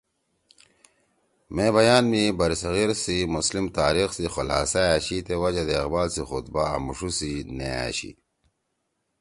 مے بیان می برصغیر سی مسلم تاریخ سی خلاصہ أشی تے وجہ دے اقبال سی خطبہ آموݜُو سی نے أشی